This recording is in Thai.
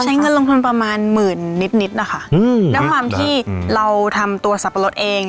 ก็ใช้เงินลงทุนประมาณหมื่นนิดนะคะดังความที่เราทำตัวสับปะรดเอง